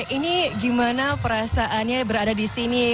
ini gimana perasaannya berada disini